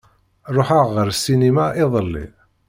Ṛuḥeɣ ar ssinima iḍelli.